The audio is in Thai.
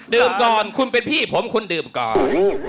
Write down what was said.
ก่อนคุณเป็นพี่ผมคุณดื่มก่อน